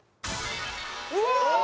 うわ！